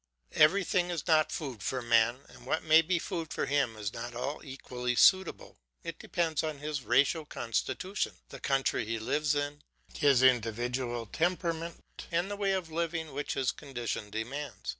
Everything is not food for man, and what may be food for him is not all equally suitable; it depends on his racial constitution, the country he lives in, his individual temperament, and the way of living which his condition demands.